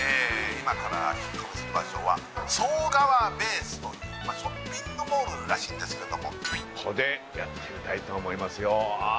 今から聞き込みする場所はＳＯＧＡＷＡＢＡＳＥというまあショッピングモールらしいんですけれどもここでやってみたいと思いますよ